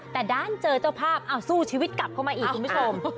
แต่ด้านเจอเจ้าภาพสู้ชีวิตกลับเข้ามาอีกคุณผู้ชม